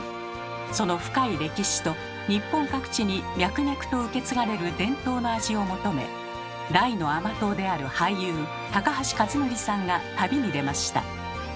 その深い歴史と日本各地に脈々と受け継がれる伝統の味を求め大の甘党である俳優高橋克典さんが旅に出ました。